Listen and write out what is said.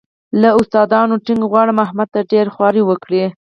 له استادانو ټینګ غواړم احمد ته ډېره خواري وکړي.